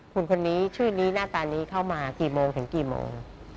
คุณคนนี้ชื่อนี้หน้าตานี้เข้ามากี่โมงถึงกี่โมง